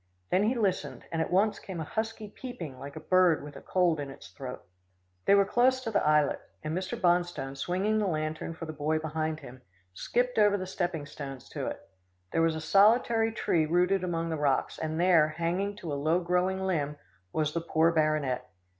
Then he listened, and at once came a husky peeping like a bird with a cold in its throat. They were close to the islet, and Mr. Bonstone, swinging the lantern for the boy behind him, skipped over the stepping stones to it. There was a solitary tree rooted among the rocks, and there, hanging to a low growing limb, was the poor baronet.